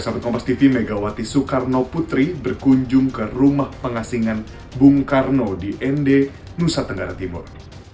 satu kompas tv megawati soekarno putri berkunjung ke rumah pengasingan bung karno di nd nusa tenggara timur